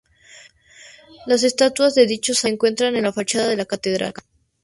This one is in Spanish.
Las estatuas de dichos santos se encuentran en la fachada de la catedral.